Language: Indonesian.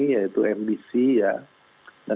yaitu mbc ya